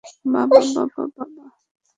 বাবা বাবা বাবা!